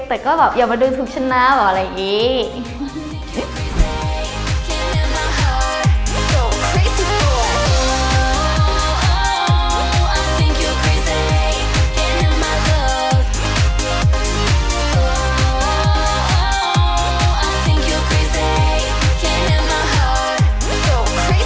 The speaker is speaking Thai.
แต่ก็อย่ามาดูทุกชั้นหน้าแบบอะไรอย่างนี้